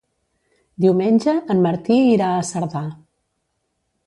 Diumenge en Martí irà a Cerdà.